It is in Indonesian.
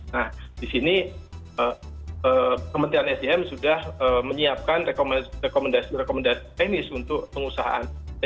nah di sini kementerian sdm sudah menyiapkan rekomendasi rekomendasi teknis untuk pengusahaan